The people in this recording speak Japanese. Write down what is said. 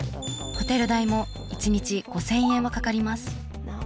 ホテル代も１日５，０００円はかかります。